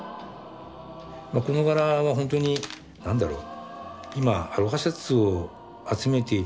この柄は本当に何だろう。